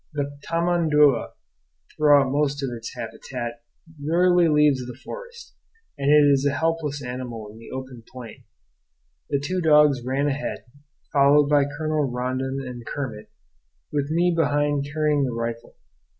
The tamandua throughout most of its habitat rarely leaves the forest, and it is a helpless animal in the open plain. The two dogs ran ahead, followed by Colonel Rondon and Kermit, with me behind carrying the rifle.